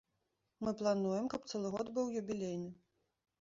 Мы плануем, каб цэлы год быў юбілейны.